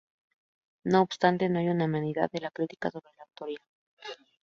No obstante, no hay unanimidad en la crítica sobre la autoría.